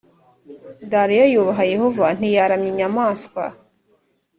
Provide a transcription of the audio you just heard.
dariyo yubaha yehova ntiyaramya inyamaswa